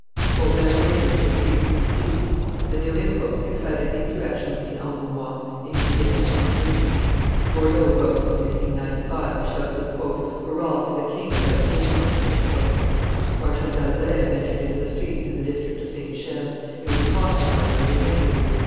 Colbert labored to increase the receipts; the new imposts excited insurrections in Angoumois, in Guyenne, in Brittany. Bordeaux rose in 1695 with shouts of "Hurrah! for the king without gabel." Marshal d'Albret ventured into the streets in the district of St. Michel; he was accosted by one of the ringleaders.